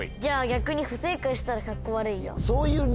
逆に不正解したらカッコ悪いよ。